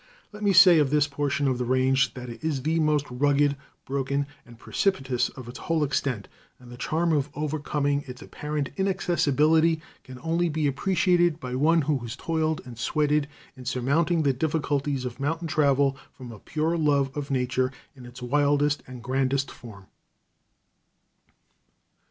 Let me say of this portion of the range that it is the most rugged, broken, and precipitous of its whole extent, and the charm of overcoming its apparent inaccessibility can only be appreciated by one who has toiled and sweated in surmounting the difficulties of mountain travel from a pure love of nature in its wildest and grandest form.